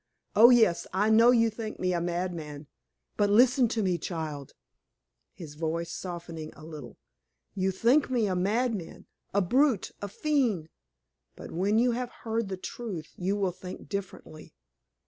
Oh, yes, I know you think me a madman! but listen to me, child" his voice softening a little: "You think me a madman a brute a fiend; but when you have heard the truth you will think differently.